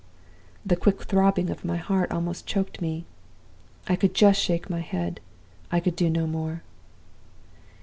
"The quick throbbing of my heart almost choked me. I could just shake my head I could do no more.